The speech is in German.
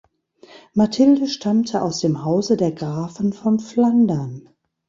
Mathilde stammte aus dem Hause der Grafen von Flandern.